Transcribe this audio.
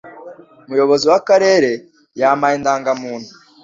Umuyobozi w'akarere yampaye indangamuntu